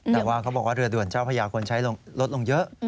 แต่ว่าเขาบอกว่าเรือด่วนเจ้าพระยาคนใช้ลดลงเยอะ